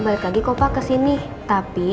balik lagi kok pak kesini tapi